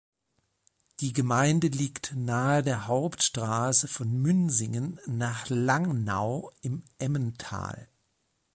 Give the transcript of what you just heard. Die Gemeinde liegt nahe der Hauptstrasse von Münsingen nach Langnau im Emmental.